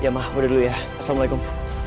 iya ma udah dulu ya assalamualaikum